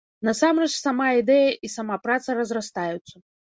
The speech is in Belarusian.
Насамрэч, сама ідэя і сама праца разрастаюцца.